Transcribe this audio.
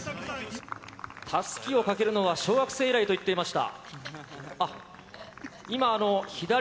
たすきをかけるのは小学生以来って言ってました。